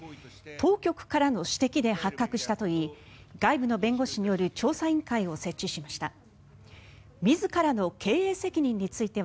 当局からの指摘で発覚したといい外部の弁護士による調査委員会を設置しました。